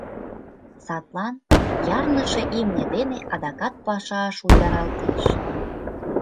Садлан ярныше имне дене адакат паша шуйдаралтеш.